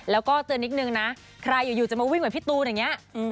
แล้วก็เตือนนิดนึงนะใครอยู่จะมาวิ่งแบบพี่ตูนอย่างนี้